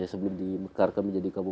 sebelum di mekar kami jadi kabupaten